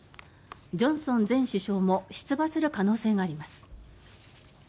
ジョンソン前首相も出馬する可能性があります。